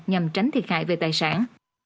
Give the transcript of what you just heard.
nhằm tránh thiệt hại về tài sản